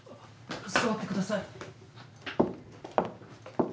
座ってください。